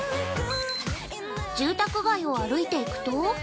住宅街を歩いていくと。